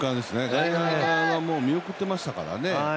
外野が見送ってましたからね。